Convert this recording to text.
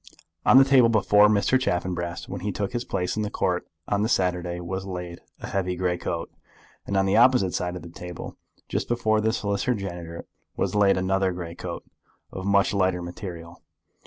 On the table before Mr. Chaffanbrass, when he took his place in the Court on the Saturday, was laid a heavy grey coat, and on the opposite side of the table, just before the Solicitor General, was laid another grey coat, of much lighter material.